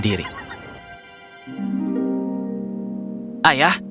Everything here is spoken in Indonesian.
dan kami harus membuat rakit sendiri